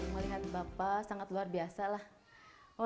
melihat bapak sangat luar biasa lah